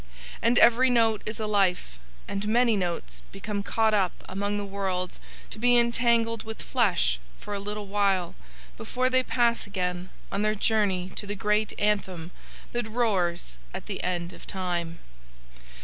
And every note is a life, and many notes become caught up among the worlds to be entangled with flesh for a little while before they pass again on their journey to the great Anthem that roars at the End of Time.